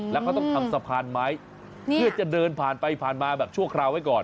แล้วเขาต้องทำสะพานไม้เพื่อจะเดินผ่านไปผ่านมาแบบชั่วคราวไว้ก่อน